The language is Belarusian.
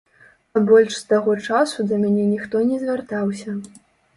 А больш з таго часу да мяне ніхто не звяртаўся.